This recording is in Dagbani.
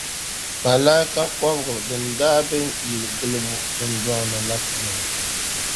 Malikia kɔbiliga din daa be yiliguliba dundɔŋ ni la puuni.